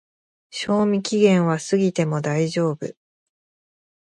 賞味期限は過ぎても大丈夫